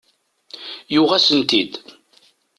Yuɣ-asen-t-id.